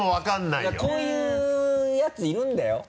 いやこういうやついるんだよ？